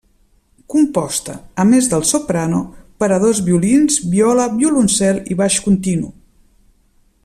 Composta, a més del soprano, per a dos violins, viola violoncel i baix continu.